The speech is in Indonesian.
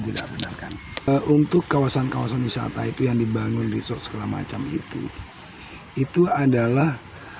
tidak benar kan untuk kawasan kawasan wisata itu yang dibangun resort segala macam itu itu adalah